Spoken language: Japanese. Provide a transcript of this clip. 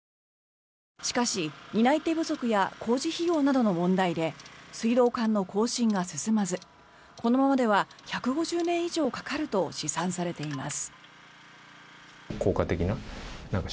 しかし、担い手不足や工事費用などの問題で水道管の更新が進まずこのままでは１５０年以上かかると試算されています。